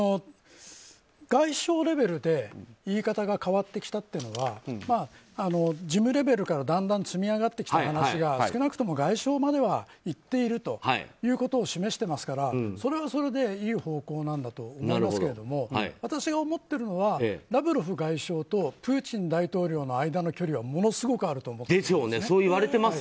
外相レベルで言い方が変わってきたというのは事務レベルからだんだん積み上がってきた話が少なくとも外相まではいっているということを示していますからそれはそれで良い方向なんだと思いますけど私が思っているのはラブロフ外相とプーチン大統領の間の距離はものすごくあると思います。